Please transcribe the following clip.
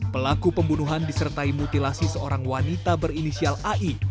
pelaku pembunuhan disertai mutilasi seorang wanita berinisial ai